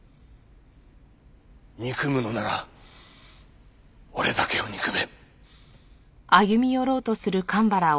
憎むのなら俺だけを憎め。